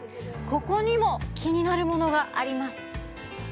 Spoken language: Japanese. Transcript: ここにも気になるものがあります。